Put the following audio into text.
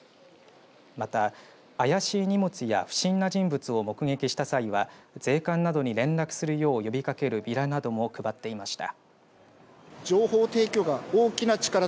また怪しい荷物や不審な人物を目撃した際は税関などに連絡するよう呼びかけるビラなども配っていました。